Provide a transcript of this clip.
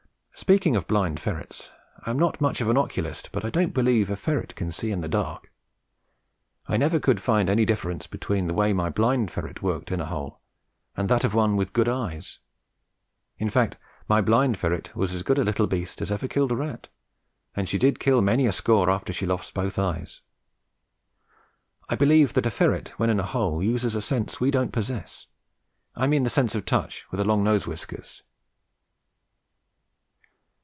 Speaking of blind ferrets, I am not much of an oculist, but I don't believe a ferret can see in the dark. I never could find any difference between the way my blind ferret worked in a hole and that of one with good eyes; in fact, my blind ferret was as good a little beast as ever killed a rat, and she did kill many a score after she lost both eyes. I believe a ferret when in a hole uses a sense we don't possess I mean the sense of touch with the long nose whiskers.